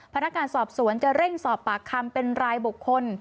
พนักงานสอบสวนจะเร่งสอบปากคำเป็นรายบุคคล